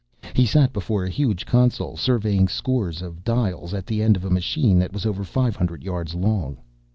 He sat before a huge console, surveying scores of dials, at the end of a machine that was over five hundred yards long.